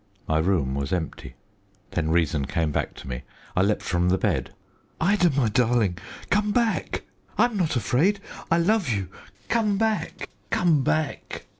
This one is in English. My room was empty. Then reason came back to me. I leaped from the bed. "Ida, my darling, come back! I am not afraid! I love you! Come back! Come back!"